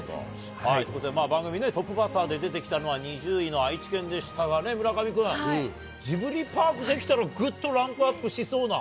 ということで、番組トップバッターで出てきたのは、２０位の愛知県でしたがね、村上君、ジブリパーク出来たら、ぐっとランクアップしそうな。